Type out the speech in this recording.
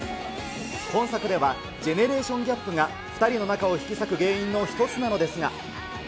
今作ではジェネレーションギャップが２人の中を引き裂く原因の一つなのですが。